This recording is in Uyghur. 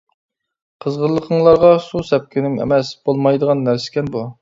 قىزغىنلىقىڭلارغا سۇ سەپكىنىم ئەمەس، بولمايدىغان نەرسىكەن بۇ.